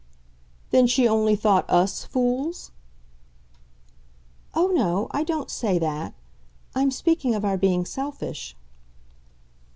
"Then she only thought US fools?" "Oh no I don't say that. I'm speaking of our being selfish."